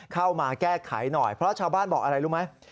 เข้ามาแก้ไขหน่อยเพราะชาวบ้านบอกอะไรรู้ไหม